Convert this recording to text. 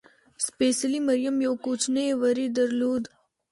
سپېڅلې مریم یو کوچنی وری درلود.